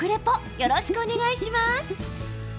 よろしくお願いします！